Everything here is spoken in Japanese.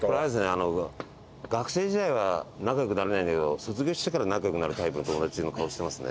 あの学生時代は仲良くなれないんだけど卒業してから仲良くなるタイプの友達の顔してますね。